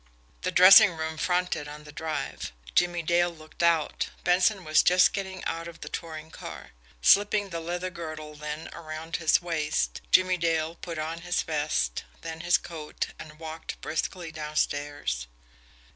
The dressing room fronted on the Drive Jimmie Dale looked out. Benson was just getting out of the touring car. Slipping the leather girdle, then, around his waist, Jimmie Dale put on his vest, then his coat and walked briskly downstairs.